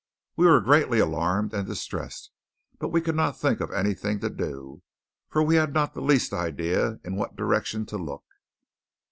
We were greatly alarmed and distressed, but we could not think of anything to do, for we had not the least idea in what direction to look.